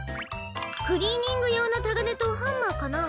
クリーニングようのたがねとハンマーかな。